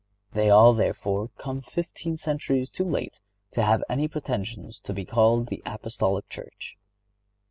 They all, therefore, come fifteen centuries too late to have any pretensions to be called the Apostolic Church.